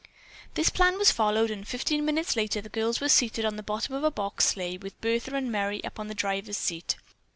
This plan was followed, and fifteen minutes later the girls were seated on the bottom of a box sleigh with Bertha and Merry up on the driver's seat.